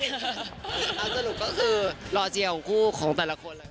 แล้วสรุปก็คือรอเชียร์ของคู่ของแต่ละคน